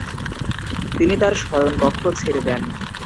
তিনি তার শয়নকক্ষ ছেড়ে দেন।